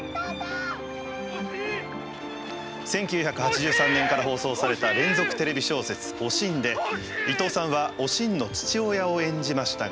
１９８３年から放送された連続テレビ小説「おしん」で伊東さんはおしんの父親を演じましたが。